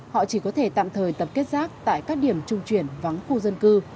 họ chỉ có thể tạm thời tập kết rác tại các điểm trung chuyển vắng khu dân cư